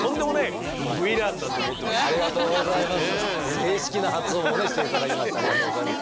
正式な発音をねして頂きましてありがとうございます。